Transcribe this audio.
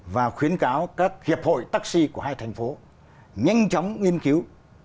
và khuyến cáo các hiệp hội taxi của hai thành phố nhanh chóng nghiên cứu